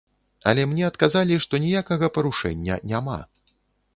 Але мне адказалі, што ніякага парушэння няма.